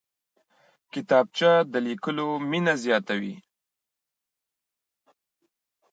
کتابچه د لیکلو مینه زیاتوي